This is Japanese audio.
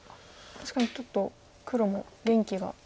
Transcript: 確かにちょっと黒も元気が。